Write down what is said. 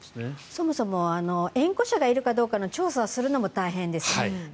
そもそも縁故者がいるかどうかの調査をするのも大変です。